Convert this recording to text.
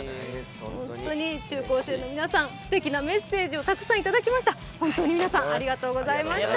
本当に中高生の皆さん、すてきなメッセージをありがとうございました。